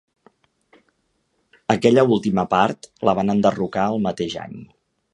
Aquella última part la van enderrocar el mateix any.